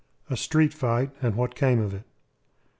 A STREET FIGHT, AND WHAT CAME OF IT.